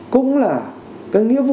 cũng là cái nghĩa vụ